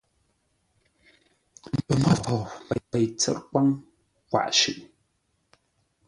Pəmə́fou, Pei tsə́t kwáŋ kwaʼ shʉʼʉ.